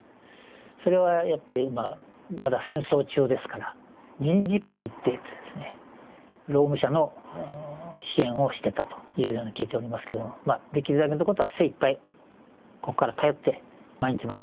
それはやっぱりまだ戦争中ですから人事課に行っててですね労務者の支援をしてたというように聞いておりますけどもできるだけのことは精いっぱいここから通って毎日毎日やってたわけですね。